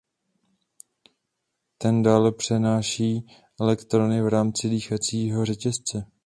Ten dále přenáší elektrony v rámci dýchacího řetězce.